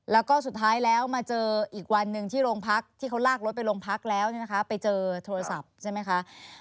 แล้วก็สุดท้ายแล้วมาเจออีกวันหนึ่งที่โรงพักที่เขาลากรถไปโรงพักแล้วไปเจอโทรศัพท์ใช่ไหมคะ